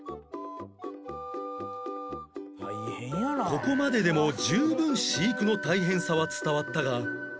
ここまででも十分飼育の大変さは伝わったが